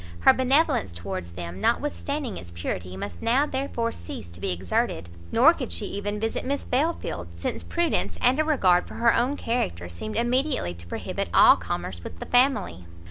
Her benevolence towards them, notwithstanding its purity, must now therefore cease to be exerted; nor could she even visit Miss Belfield, since prudence, and a regard for her own character, seemed immediately to prohibit all commerce with the family.